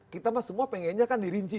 kita mah semua pengennya kan dirinci